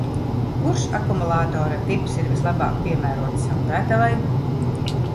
Kurš akumulatora tips ir vislabāk piemērots saldētavai?